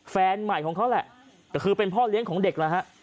แฟนใหม่ของเขาแหละก็คือเป็นพ่อเลี้ยงของเด็กแล้วฮะ